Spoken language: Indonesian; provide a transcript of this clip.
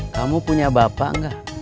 kamu punya bapak nggak